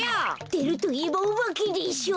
でるといえばおばけでしょ。